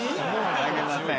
あげません。